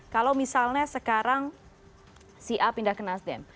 kalau misalnya sekarang si a pindah ke nasdem